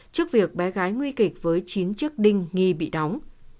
trước việc bé gái nguy kịch với chín chiếc đinh nghi bị đóng